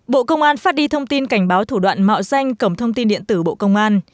bộ công an phát đi thông tin cảnh báo thủ đoạn mạo danh cổng thông tin điện tử bộ công an